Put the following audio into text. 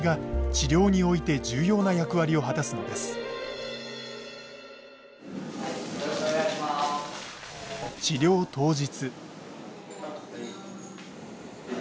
治療当日。